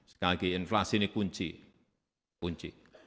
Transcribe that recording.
sekali lagi inflasi ini kunci kunci